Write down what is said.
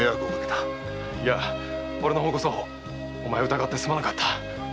いや俺の方こそお前を疑ってすまなかった。